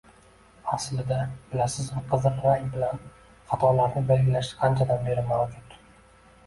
Aslida, bilasizmi qizil rang bilan xatolarni belgilash qanchadan beri mavjud?